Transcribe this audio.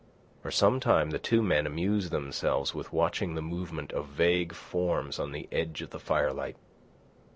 For some time the two men amused themselves with watching the movement of vague forms on the edge of the firelight.